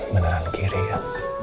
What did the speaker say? beneran kiri ya